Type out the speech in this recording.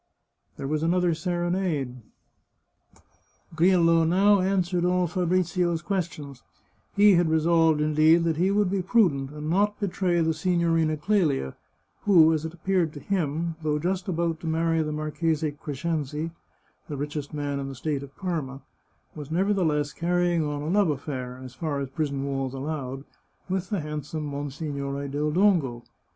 There was another serenade. Grillo now answered all Fabrizio's questions; he had resolved, indeed, that he would be prudent, and not betray the Signorina Clelia, who, as it appeared to him, though 368 The Chartreuse of Parma just about to marry the Marchese Crescenzi, the richest man in the state of Parma, was nevertheless carrying on a love affair, as far as prison walls allowed, with the handsome Monsignore del Dongo.